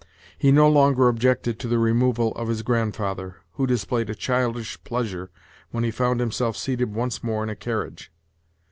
He no longer objected to the removal of his grandfather, who displayed a childish pleasure when he found himself seated once more in a carriage.